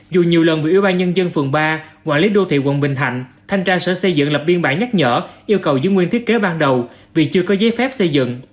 dù nhiều lần bị ủy ban nhân dân phường ba quản lý đô thị quận bình thạnh thanh tra sở xây dựng lập biên bản nhắc nhở yêu cầu giữ nguyên thiết kế ban đầu vì chưa có giấy phép xây dựng